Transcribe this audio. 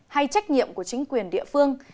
hay trách nhiệm của chính quyền địa phương